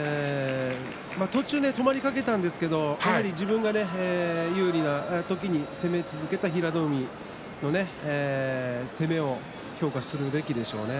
途中、止まりかけたんですけど自分が有利な時に攻め続けた平戸海の攻めを評価するべきでしょう。